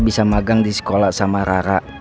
bisa magang di sekolah sama rara